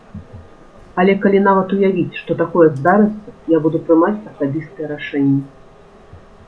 Але калі нават уявіць, што такое здарыцца, я буду прымаць асабістыя рашэнні.